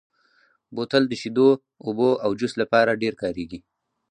بوتل د شیدو، اوبو او جوس لپاره ډېر کارېږي.